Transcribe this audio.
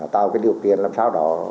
tạo điều kiện làm sao đó